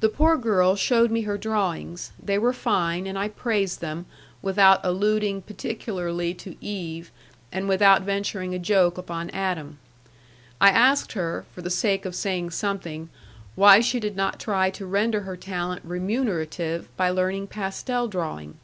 The poor girl shewed me her drawings; they were fine, and I praised them, without alluding particularly to Eve, and without venturing a joke upon Adam. I asked her, for the sake of saying something, why she did not try to render her talent remunerative by learning pastel drawing.